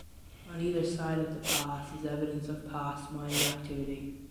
On either side of the pass is evidence of past mining activity.